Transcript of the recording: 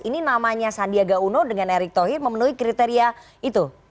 ini namanya sandiaga uno dengan erick thohir memenuhi kriteria itu